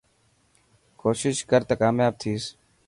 ڪوشش ڪر ته ڪامياب ٿيس.